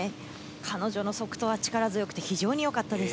彼女の足刀は力強くて非常によかったです。